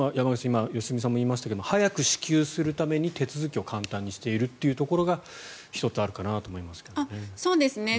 今、良純さんも言いましたが早く支給するために手続きを簡単にしているというところが１つあるかなと思いますけどね。